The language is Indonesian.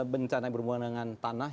bencana yang berhubungan dengan tanah